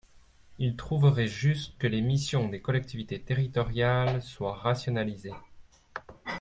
Ils trouveraient juste que les missions des collectivités territoriales soient rationalisées.